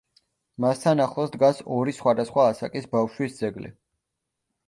მასთან ახლოს დგას ორი სხვადასხვა ასაკის ბავშვის ძეგლი.